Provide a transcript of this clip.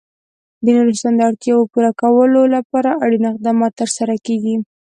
د نورستان د اړتیاوو پوره کولو لپاره اړین اقدامات ترسره کېږي.